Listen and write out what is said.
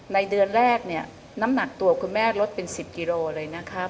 ในเดือนแรกเนี่ยน้ำหนักตัวคุณแม่ลดเป็น๑๐กิโลเลยนะครับ